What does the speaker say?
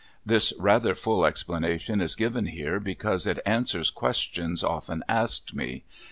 This rather full explanation is given here because it answers questions often asked me.